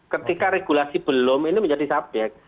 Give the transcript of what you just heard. ketika regulasi belum ini menjadi subjek